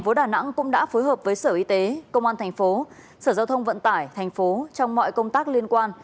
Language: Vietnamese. tp đà nẵng cũng đã phối hợp với sở y tế công an thành phố sở giao thông vận tải thành phố trong mọi công tác liên quan